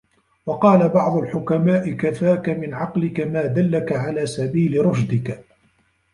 وَقَالَ بَعْضُ الْحُكَمَاءِ كَفَاك مِنْ عَقْلِك مَا دَلَّك عَلَى سَبِيلِ رُشْدِك